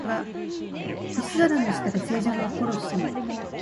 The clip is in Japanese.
星空の下で静寂が心を包む